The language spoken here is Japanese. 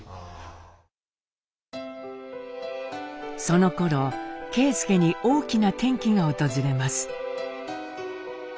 そのころ啓介に大きな転機が訪れます。